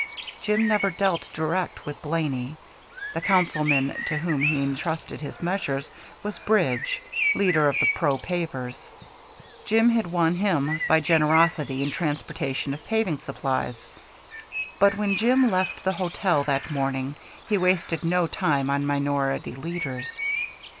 Jim never dealt direct with Blaney. The councilman to whom he intrusted his measures was Bridge, leader of the pro pavers. Jim had won him by generosity in transportation of paving supplies. But when Jim left the hotel that morning he wasted no time on minority leaders.